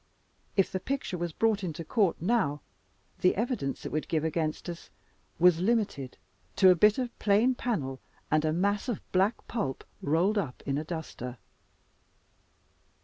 If the picture, was brought into court now, the evidence it could give against us was limited to a bit of plain panel, and a mass of black pulp rolled up in a duster.